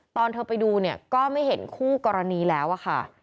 ตอนเธอไปดูเนี่ยก็ไม่เห็นคู่กรณีแล้วอะค่ะ